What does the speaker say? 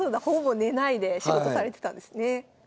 ほぼ寝ないで仕事されてたんですね。